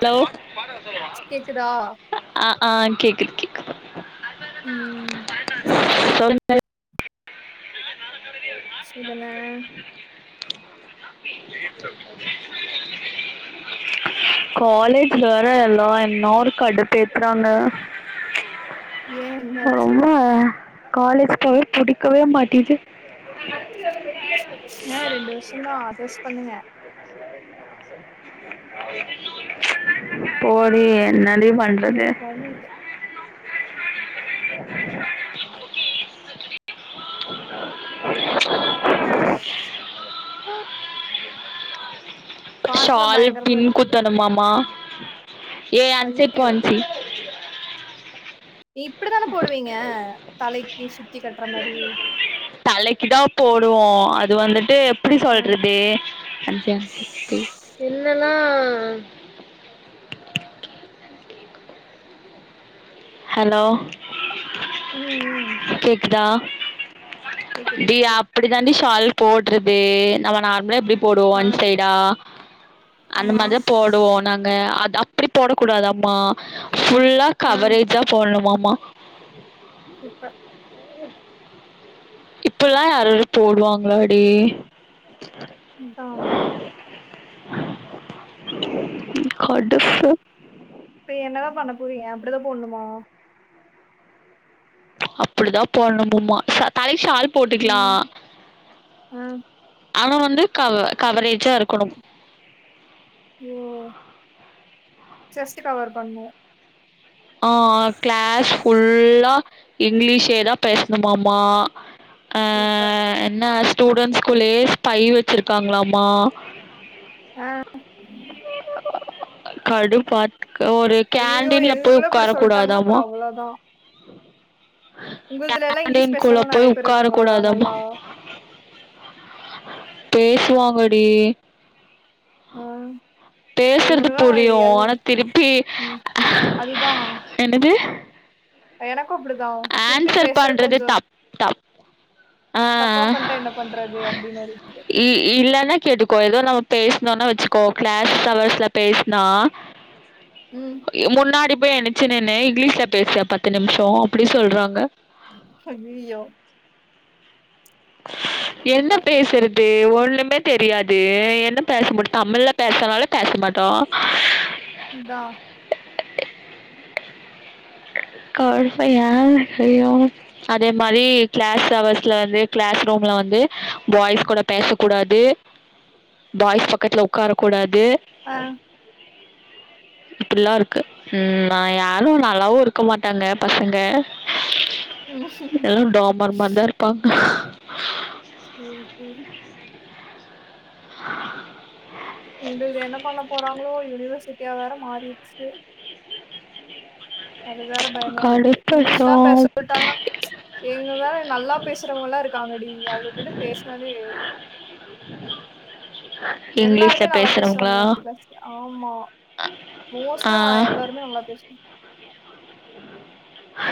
hello கேக்குதா ஆ ஆ கேக்குது கேக்குது ம் [inaudible] சொல்லுங்க காலேஜ்ல வேற எல்லா என்ன ஒரு கடுப்பேத்தறாங்க ஏ என்னாச்சு ரொம்ப காலேஜ் போவே புடிக்கவே மாட்டிது என்ன ரெண்டு வருஷ தா அட்ஜஸ் பண்ணுங்க போடி என்னடி பண் வேற வலி இல்ல பாட்டுலா ஷால் பயங்கரமா பின் இருக்கு குத்தணும்மமா ஏ ஐயையோ [unintelligible] இப்டித்தானே போடுவீங்க தலைக்கு சுத்தி கட்டுற மாரி தலைக்கிதா போடுவோ அது வந்துட்டு எப்டி ஆ சொல்றது என்னனா ஹலோ ம் ம் கேக்குதா கேக்குது கேக்குது [inaudible] அப்டி தாண்டி ஷால் போட்றது நம்ம நார்மலா எப்டி போடுவோ ஆ ஒன் சைடா அந்த ஆமா மாரிதா போடுவோ நாங் க அது அப்டி போட கூடாதாம்மா ஃபுல்லா ஆ கவரேஜா போடணுமாமா சூப்பர் இப்பில்லா யாராது போடுவாங்களா டி அதா [inaudible] இப்ப என்னதா பண்ண போறீங்க அப்டிதா போட்னுமோ அப்டிதான் போடணும்மும்மா தலைக்கு சால் போட்டுகலா ம் ஆ ஆனா வந்து கவ கவரேஜா இருக்கணும் ஓ செஸ்ட்டு கவர் பண்ணு ஆ கிளாஸ் ஃபுல்லா இங்கிலீஷே தா பேசணுமாமா ஆ சூப்பர் என்னா ஸ்டூடண்ட்ஸ்குள்ளே ஸ்பை வச்சிருக்காங்களமா ஆ கடுபாத்துக ஒரு ஐயையோ கேண்டின்ல போய் எங்களுக்குள்ள இப்டி உக்கார சொல்ட்டாங்கன்னா கூடாதாமா அப்றோ அவ்ளோதா உங்கள்துல எல்லா இங்கிலீஷ் கேண்டீன் குள்ள பேசுறவங்க நெறைய போய் பேர் உக்கார இருக்காங்களா கூடாதமா நல்லா பேசுவாங்கடி ஆ பேசுறது எங்கல்லா புரியு எல் ஆனா திருப்பி ம் அதுதா என்னது எனக்கு அப்டிதா திருப்பி ஆன்சர் பேசுற பண்றது கொஞ்சோ தப் தப் ஆ தப்பா பண்ட்டா என்ன பண்றது அப்டின்னு ஒரு இது இ இல்லன்னா கேட்டுக்கோ ஏதோ நம்ம பேசணோனா வச்சுகோ க்ளாஸ் அவர்ஸ்ல பேஸ்னா ம் முன்னாடி போய் ஏன்ச்சு நின்னே இங்கிலீஷ்ல பேசு பத்து நிமிஷோ அப்டி சொல்றாங்க அய்யய்யோ என்ன சூப்பர் பேசுறது அது ஒண்ணுமே தெரியாது என்ன பேச முடியு தமிழ்ல பேசனால பேச மாட்டோ இந்தா கா [unintelligible] அதே மாரி க்ளாஸ் ஹவர்ஸ்ல வந்து க்ளாஸ் ரூம்ல வந்து பாய்ஸ் கூட பேசக்க கூடாது பாய்ஸ் பக்கத்துல உக்கார கூடாது ஆ இப்படிலா இருக்கு ம் நா யாரு நல்லாவு இருக்க மாட்டாங்க பசங்க ம் எல்லா டோமர் மாரிதா இருப்பாங்க சரி சரி [inaudible] இங்க இது என்ன பண்ண போகறாங்களோ யூனிவர்சிட்டியா வேற மாறிடுச்சு அது வேற பயமா இருக்கு கடுப்பு சோ இங்கிலீஷ்லா பேச சொல்டாங்கனா இங்க வேற நல்லா பேசுறவங்கலா இருக்காங்கடி அவ்லுங்க கிட்ட பேசுனாவே [inaudible] இங்கிலீஷ்ல எல்லாருமே நல்லா பேசுவாங்க எங்க கிளாஸ்ல ஆமா அ மோஸ்டா நா எல்லாருமே நல்லா பேசுவ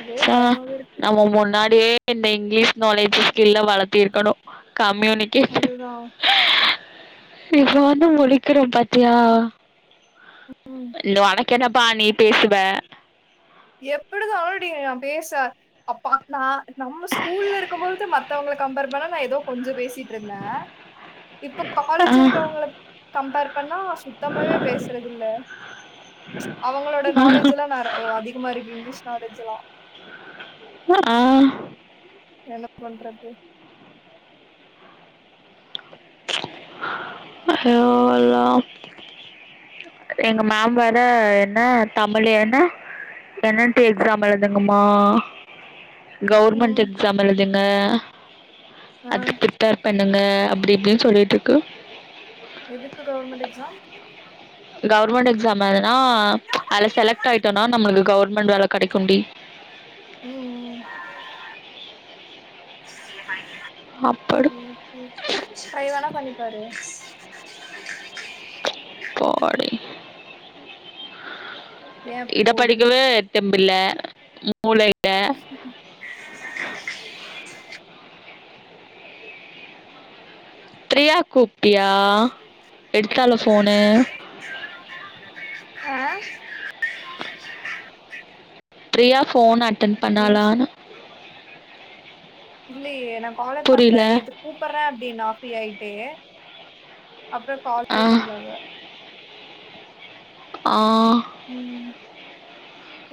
அதே ச பயமாவே இருக்கு நம்ம முன்னா டியே இந்த இங்கிலீஷ் நாலேஜ் ஸ்கில்ல வளத்திருக்கணு கம்யூனிகே அதுதா இப்ப வந்து முழிக்குறோ பாத்தியா இ உனக்கென்னப்பா நீ பேசுவ எப்படிதா டி நா பேச அப்பா நா நம்ம ஸ்கூல்ல இருக்கும்போது மத்தவங்க கம்பேர் பண்ண நா ஏதோ கொஞ்ச பேசிட் ட்ருந்தே இப்போ ஆ காலேஜ் இருக்கவங்களுக்கு கம்பேர் பண்ணா சுத்தமாவே பேசுறது இல்ல அவங்களோட நாலேஜெல்லா நெற ஒ அதிகமா இருக்கு இங்க்லீஷ் நாலேஜ் எல்லா ஆ என்ன பண்றது ஹலோ அலோ எங்க மேம் வேற என்ன தமிழ் என்ன டெனன்ட்டு எக்ஸாம் எழுதுங்கம்மா கவுர்மெண்ட் ம் எக்ஸாம் எழுதுங்க ஆ அதுக்கு ப்ரிப்பேர் பண்ணுங்க அப்டி இப்டின் சொல்லிட்ருக்கு எதுக்கு கவுர்மெண்ட் எக்ஸாம் கவுர்மெண்ட் எக்ஸாம் எழ்த்ன்னா அல்ல செலக்ட் ஆயிட்டோனா நம்மளுக்கு கவுர்மெண்ட் வேல கெடைக்குண்டி ம் ம் அப்பாடி ம் ட்ரை வேணா பண்ணிப்பாரு போடி ஏ இத போடி படிக்கவே தெம்பில்ல மூளை ம் ப்ரியா கூப்டியா எடுத்தாலா ஃபோனு ஆ ப்ரியா ஃபோன் அட்டன் எனக்கு பண்ணலானு இல்லையே நா காலே பண்ல நீ எதுக் கூப்பற்றே அப்டீனா ஃப்ரீ ஆய்ட்டு அப்றொ ஆ காலே பண்ல அவ ஆ ம்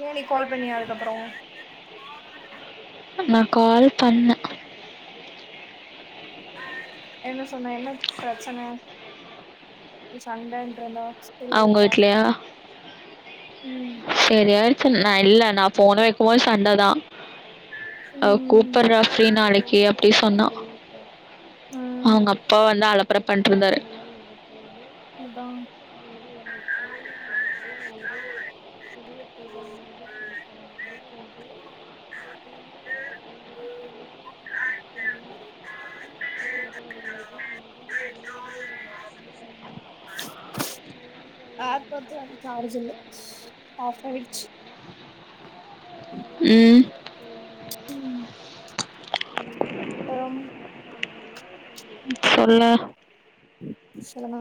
ஏ நீ கால் பண்ணிய அதுக்கப்பறோ நா கால் பண்ண என்ன சொன்ன என்ன ப்ரெச்சன எது சண்டன்டுருந்தா அவுங்க வீட்லயா ம் செரியாய்டிச்சுன் நா இல்ல நா ஃபோனு வெக்கும்போது சண்டதா அவ ம் கூப்பர்றா ஃப்ரீ நாளைக்கு அப்டி சொன்னா ஆ அவுங்க அப்பா வந்து அலப்பற பண்ட்டுருந்தாரு அதா அ ஏர் பட்ஸு வேற சார்ஜ் இல்ல ஆஃப் ஆயிடுச்சு ம் ம் அப்பறம் சொல்லு சொல்லுனா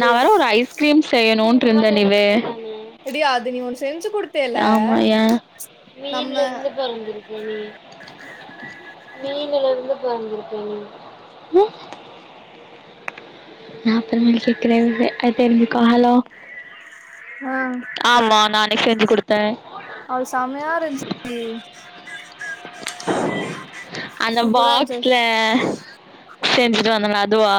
நா வேற ஒரு ஐஸ்கிரீம் செய்யணுன்ட்ருந்தே நிவே எடி அது நீ ஒன் செஞ்சு குடுத் ஆமா ஏ மீன்லெந்து பொறஞ்சிருக்க நீ மீனுலருந்து பொறந்திருக்க நீ அ நாப்பது மினி கேக்குறே விவ்வே அத் தெரிஞ்சிக்கோ ஹலோ ஆமா நானே செஞ்சு குடுத்தே அ அது சம்மையாருந்ச்சுடி அந்த சூப்பரா இருந்துச்சு பாக்ஸ்ல செஞ்சுட்டு வந்தேல அதுவா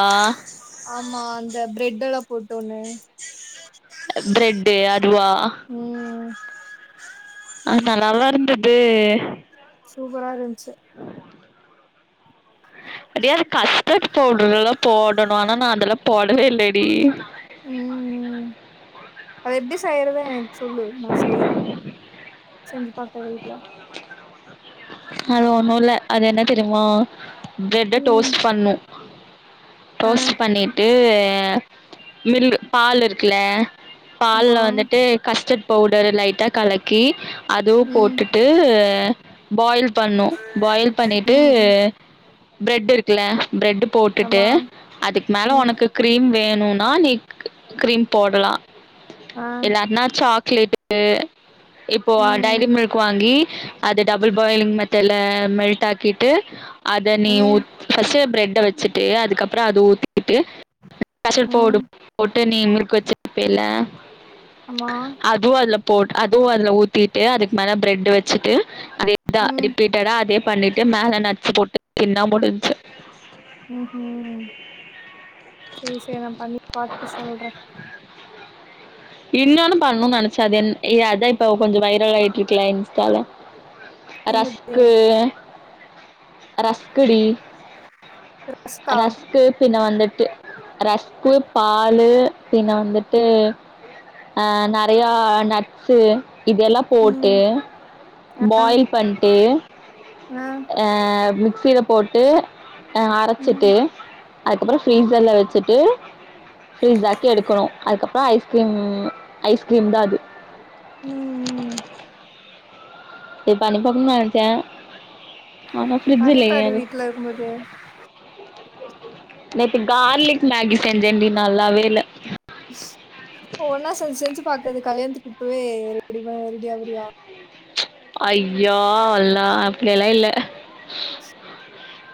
ஆமா அந்த பிரட்டுல போட்டு ஒண்ணு பிரெட்டு அதுவா உம் அ நல்லாருந்தது சூப்பராருந்துச்சு அடியே அது கஷ்டட் போடுறதுல்லா போடணு ஆனா நா அதெல்லா போடவே இல்லடி ம் அது எப்டி செய்யறது எனக்கு சொல்லு நா செய்யறே செஞ்சு பாக்குறே வீட்ல அது ஒண்ணு இல்ல அது என்ன தெரியுமா பிரெட்ட ம் டோஸ்ட் பண்ணணு ஆ ஃடோஸ்ட் பண்ணிட்டு மில் பால்லிருக்குல ஆமா பால்ல வந்துட்டு கஸ்டர்ட் பவுடரு லைட்டா கலக்கி அதுவு ம் போட்டுட்டு பாயில் பண்ணு பாயில் பண்ணிட்டு ம் பிரெட் இருக்குல பிரெட் போட்டுட்டு ஆமா அதுக்கு மேல ம் உனக்கு கீரிம் வேணுனா நீ கீரிம் போடலா ஆ இல்லாட்டினா சாக்லேட்டு இப்போ ம் டைரி மில்க் வாங்கி அத டபுள் பாய்லிங் மெத்தடுல்ல மெல்ட் ஆக்கிட்டு அத நீ ம் ஊத் ஃபர்ஸ்ட்டு ப்ரெட்ட வச்சுட்டு அதுக்கப்றோ அத ஊத் திட்டு கெசர் ம் பவுடர் போட்டு நீ முருக் வச்சுருப்பைல ஆமா அதுவு அதுல போட்டு அதுவு அதுல ஊத்திட்டு அதுக்கு மேல ப்ரெட்டு வச்சுட்டு அதே ம் ரிப்பீட்டடா அதே பண்ணிட்டு மேல நட்ஸ் போட்டு திண்ணா முடிஞ்சு ம்ஹீம் சேரி சேரி நா பண்ணி பாத்துட்டு சொல்றே இன்னொன்னு பண்ணுனு நெனச்சே அது என் அதா இப்ப கொஞ்சோ வைரலாயிட்டுருக்குல இன்ஸ்டால என்னது ரஸ்க்கு ரஸ்க்குடி ரஸ்கா ரஸ்க்கு பின்ன வந்துட்டு ரஸ்கு பால் பின்ன வந்துட்டு ஆ நெறையா நட்ஸ் இதெல்லா போட்டு ம் பாயில் பண்ட்டு ஆ அ ஆ மிக்சில போட்டு ம் அரச்சிட்டு அதுக்கப்றோ ஃபீரிஸர்ல வச்சுட்டு ஃபீரிஸாக்கி எடுக்கணு அதுக்கப்றோ ஐஸ் கீரிம் ஐஸ் கிரீம் தாது உம் இது பண்ணி பாக்கணுனு ஆச ஆமா ஃப்ரி்ஜ்ஜு இல்லையே பண்ணிப்பாரு து வீட்ல இருக்கும்போது நேத்து கார்லிக் மேகி செஞ்சேன்டி நல்லாவே இல்ல ஒவ்வொண்ணா செஞ்சு செஞ்சு பாக்குறது கல்யாணத்துக்கு இப்பவே ரெடிவு ரெடி ஆகுறியா ஐயோ அல்லா அப்டியெல்லா இல்ல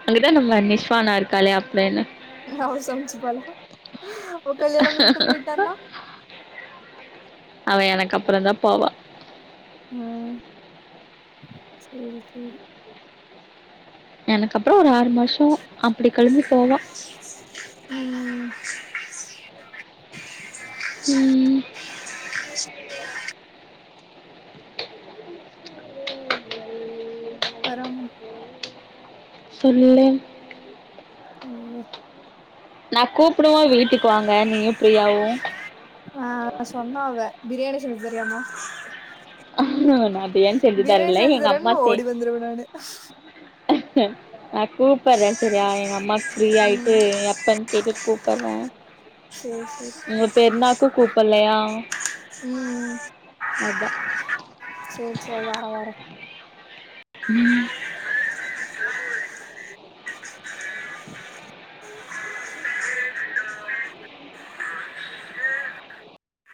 அங்கதா நம்ம நிஷ்வானா இருக்காளே அப்றோ என்ன அவ சமச்சுபாளா அவ எனக்கு அப்றோதா போவா மு சேரி சேரி எனக் அப்றோ ஒரு ஆறு மாசோ அப்டி கெளம்பி போவா உம் உம் பறம் சொல்லு இல்ல நா கூப்புடும்போ வீட்டுக்கு வாங்க நீயு பிரியாவு ஆ சொன்ன அவ பிரியாணி செஞ்சு தரியாமா நா பிரியாணி செஞ்சு பிரியாணி தரல செஞ்சு எங்க தரன் அம்மா செ ஓடி வந்துருவே நானு நா கூப்பட்றே செரியா எங்க அம்மாக்கு ஃப்ரீய ஆயிட்டு ம் எப்பன் கேட்டுட்டு கூப்பட்றே சேரி சேரி உங்க பெருனாக்க கூப்பல்லையா ம் அதா சேரி சேரி வார வார ம்